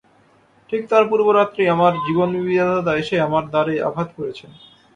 ঠিক তার পূর্বরাত্রেই আমার জীবনবিধাতা এসে আমার দ্বারে আঘাত করেছেন।